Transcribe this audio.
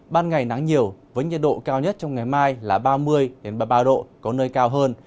ban ngày nắng nhiều với nhiệt độ cao nhất trong ngày mai là ba mươi ba mươi ba độ có nơi cao hơn